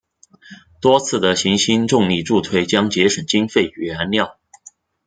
多次的行星重力助推将节省经费与燃料。